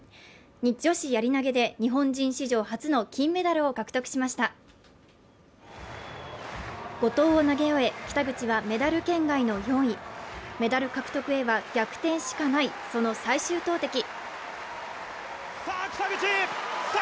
女子やり投げで日本人史上初の金メダルを獲得しました５投を投げ終え北口はメダル圏外の４位メダル獲得へは逆転しかないその最終投てき